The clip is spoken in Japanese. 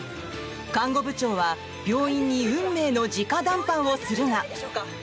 看護部長は病院に運命の直談判をするが。